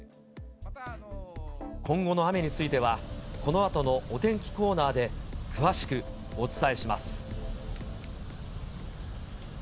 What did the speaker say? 今後の雨については、このあとのお天気コーナーで、詳しくお伝えします。